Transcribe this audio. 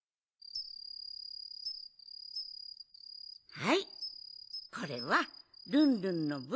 はいこれはルンルンのぶん。